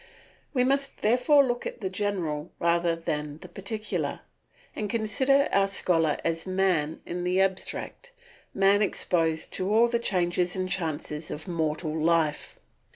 We must therefore look at the general rather than the particular, and consider our scholar as man in the abstract, man exposed to all the changes and chances of mortal life.